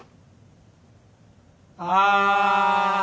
ああ。